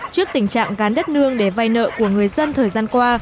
trước tình trạng gán đất nương để vay nợ của người dân thời gian qua